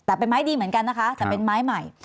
แต่เป็นไม้ดีเหมือนกันนะคะแต่เป็นไม้ใหม่